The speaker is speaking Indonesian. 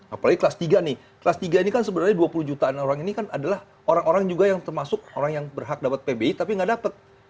apalagi kelas tiga nih kelas tiga ini kan sebenarnya dua puluh jutaan orang ini kan adalah orang orang juga yang termasuk orang yang berhak dapat pbi tapi nggak dapat